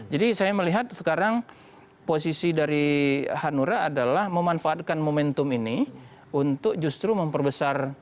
jadi saya melihat sekarang posisi dari hanura adalah memanfaatkan momentum ini untuk justru memperbesar